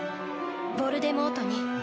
ヴォルデモートに。